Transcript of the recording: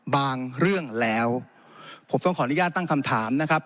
บางเรื่องแล้วผมต้องขออนุญาตตั้งคำถามนะครับ